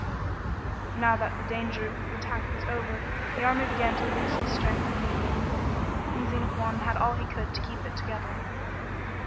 Now that the danger of attack was over, the army began to loose its strength of union, and Xenophon had all he could do to keep it together.